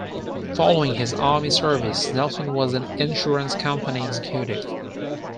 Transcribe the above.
Following his army service, Nelson was an insurance company executive.